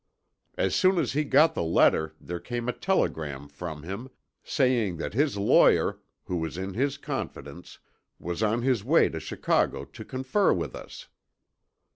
As soon as he got the letter there came a telegram from him, saying that his lawyer, who was in his confidence, was on his way to Chicago to confer with us.